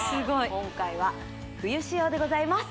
今回は冬仕様でございます